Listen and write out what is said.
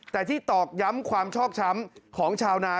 แต่ที่ตอกย้ำความชอบช้ำของชาวนา